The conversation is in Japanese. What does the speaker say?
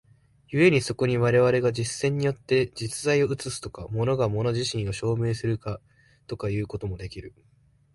故にそこに我々が実践によって実在を映すとか、物が物自身を証明するとかいうこともできる。